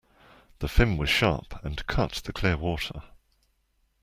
The fin was sharp and cut the clear water.